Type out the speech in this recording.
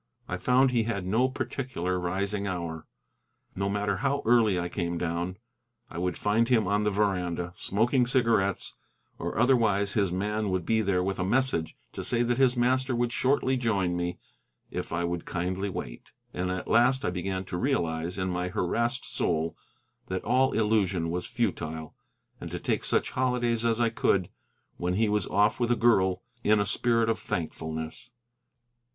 I found he had no particular rising hour. No matter how early I came down, I would find him on the veranda, smoking cigarettes, or otherwise his man would be there with a message to say that his master would shortly join me if I would kindly wait. And at last I began to realize in my harassed soul that all elusion was futile, and to take such holidays as I could get, when he was off with a girl, in a spirit of thankfulness.